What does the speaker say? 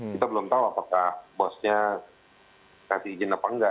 kita belum tahu apakah bosnya kasih izin apa enggak